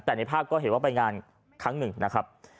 แต่ในภาพก็เห็นว่าไปงานครั้งหนึ่งนะครับ